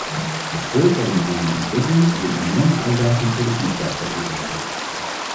Het voorkomen van zo'n ontwikkeling is een enorme uitdaging voor de vliegtuigfabrikanten.